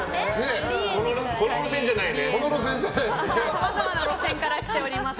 さまざまな路線から来ています。